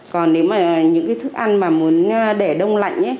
còn nếu mà những cái thức ăn mà muốn để đông lạnh